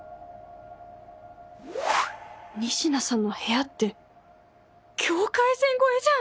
仁科さんの部屋って境界線越えじゃん！